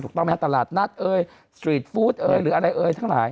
ต้องไหมฮะตลาดนัดเอ่ยสตรีทฟู้ดเอ้ยหรืออะไรเอ่ยทั้งหลาย